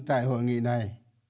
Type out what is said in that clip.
tại hội nghị này